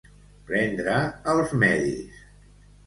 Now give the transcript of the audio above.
Prendre els medis.